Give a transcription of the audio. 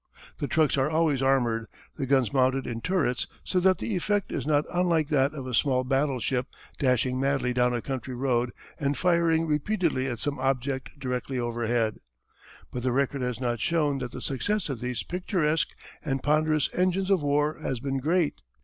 The trucks are always armoured, the guns mounted in turrets so that the effect is not unlike that of a small battleship dashing madly down a country road and firing repeatedly at some object directly overhead. But the record has not shown that the success of these picturesque and ponderous engines of war has been great.